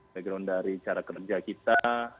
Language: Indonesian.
background dari cara kerja kita